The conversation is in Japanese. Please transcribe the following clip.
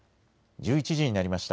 １１時になりました。